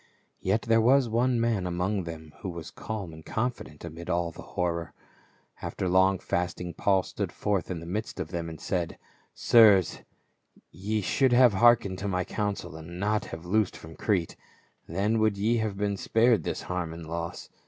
Yet there was one man among them who w^as calm and confident amid all the horror. After long fasting Paul stood forth in the midst of them and said, " Sirs, ye should have hearkened to my counsel and not have loosed from Crete : then w^ould ye have been spared this harm and loss.